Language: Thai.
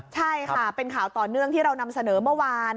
ใช่ค่ะเป็นข่าวต่อเนื่องที่เรานำเสนอเมื่อวาน